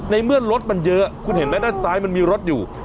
ในเมื่อรถมันเยอะคุณเห็นไหมด้านซ้ายมันมีรถอยู่